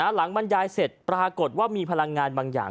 บรรยายเสร็จปรากฏว่ามีพลังงานบางอย่าง